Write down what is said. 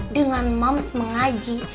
dengan mams mengaji